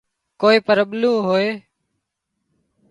ڪوئي پرٻلُون هوئي